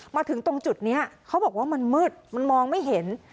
มาถึงตรงจุดนี้เขาบอกว่ามันมืดมันมองไม่เห็น